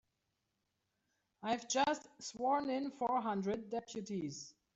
I've just sworn in four hundred deputies.